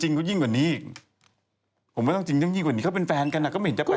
จริงก็ยิ่งกว่านี้ผมไม่ต้องจริงกว่านี้ก็เป็นแฟนกันก็ไม่เห็นแปลกเลย